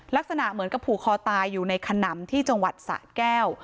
ลักษณะเหมือนกับผูกคอตายอยู่ในขนำที่จังหวัดสะแก้ว